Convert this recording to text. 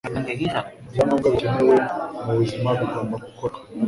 Ibyangombwa bikenewe mu buzima bigomba gukorwa,